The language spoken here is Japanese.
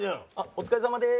お疲れさまです。